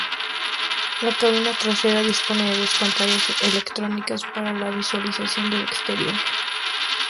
La cabina trasera dispone de dos pantallas electrónicas para la visualización del exterior.